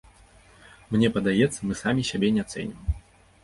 Мне падаецца, мы самі сябе не цэнім.